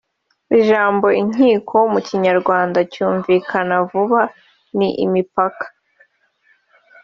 Ijambo “inkiko” mu Kinyarwanda cyumvikana vuba ni imipaka